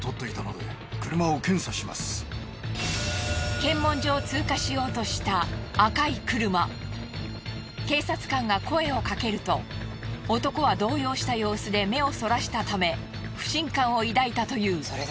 検問所を通過しようとした警察官が声をかけると男は動揺した様子で目をそらしたため不信感を抱いたという。